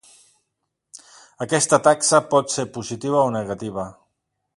Aquesta taxa pot ser positiva o negativa.